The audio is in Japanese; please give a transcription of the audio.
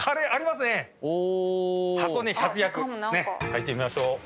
入ってみましょう。